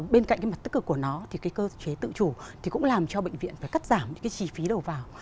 bên cạnh cái mặt tức cực của nó thì cái cơ chế tự chủ thì cũng làm cho bệnh viện phải cắt giảm những cái chi phí đầu vào